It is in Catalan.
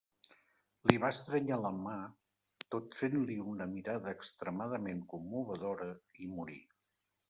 Li va estrènyer la mà, tot fent-li una mirada extremadament commovedora, i morí.